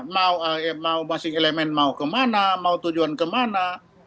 mau masing masing elemen mau kemana mau tujuan kemana